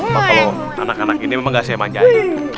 pak lo anak anak ini memang gak siapa nyanyi